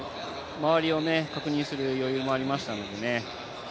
周りを確認する余裕もありましたのでね。